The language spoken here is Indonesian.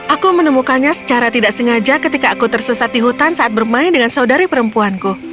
aku menemukannya secara tidak sengaja ketika aku tersesat di hutan saat bermain dengan saudari perempuanku